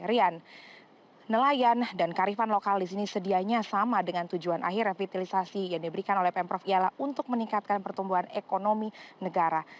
rian nelayan dan karifan lokal di sini sedianya sama dengan tujuan akhir revitalisasi yang diberikan oleh pemprov ialah untuk meningkatkan pertumbuhan ekonomi negara